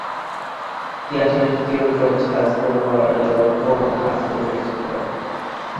He attended George Wythe High School where he worked for the high school newspaper.